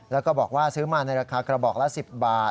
แล้วก็บอกว่าซื้อมาในราคากระบอกละ๑๐บาท